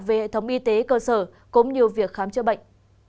về hệ thống y tế cơ sở cũng như việc khám chữa bệnh